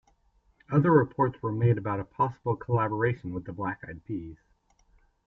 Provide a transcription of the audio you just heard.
Other reports were made about a possible collaboration with The Black Eyed Peas.